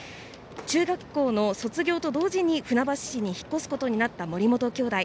中学校の卒業と同時に、船橋市に引っ越すことになった森本兄弟。